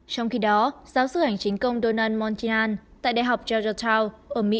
trong khi đó giáo sư hành chính công donald montihan tại đại học georgetown ở mỹ